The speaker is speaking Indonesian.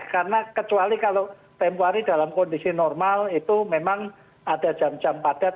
ya kecuali kalau tempoh hari dalam kondisi normal itu memang ada jam jam padat